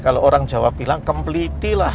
kalau orang jawa bilang komplitilah